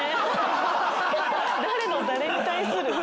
誰の誰に対する？